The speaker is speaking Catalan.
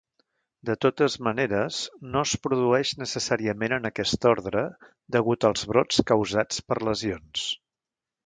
De totes maneres, no es produeix necessàriament en aquest ordre degut als brots causats per lesions.